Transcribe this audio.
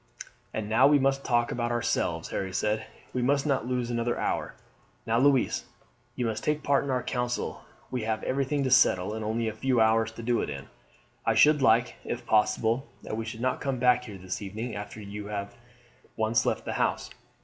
"And now we must talk about ourselves," Harry said. "We must not lose another hour. Now, Louise, you must take part in our council. We have everything to settle, and only a few hours to do it in. I should like, if possible, that we should not come back here this evening after you have once left the house.